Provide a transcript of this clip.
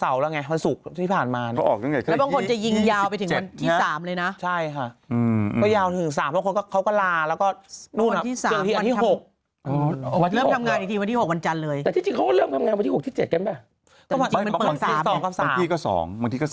เอาเราไปอย่างนี้ดีกว่าว่าในปีที่ผ่านมานี่